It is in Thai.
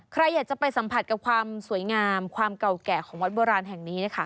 ใครอยากจะไปสัมผัสกับความสวยงามความเก่าแก่ของวัดโบราณแห่งนี้นะคะ